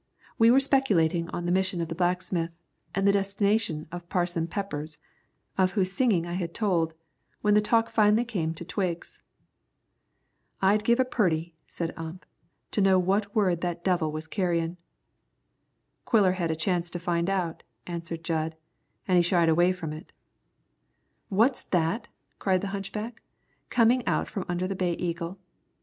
We were speculating on the mission of the blacksmith, and the destination of Parson Peppers, of whose singing I had told, when the talk came finally to Twiggs. "I'd give a purty," said Ump, "to know what word that devil was carryin'." "Quiller had a chance to find out," answered Jud, "an' he shied away from it." "What's that?" cried the hunchback, coming out from under the Bay Eagle.